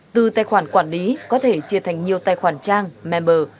từ tài khoản quản lý có thể chia thành nhiều tài khoản trang member